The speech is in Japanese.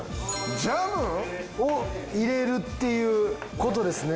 ジャム！？を入れるっていう事ですね。